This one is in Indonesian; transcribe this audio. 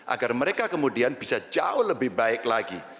agar mereka kemudian bisa jauh lebih baik lagi